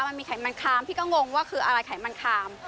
มันมีไขมันคามพี่ก็งงว่าคืออะไรไขมันคาม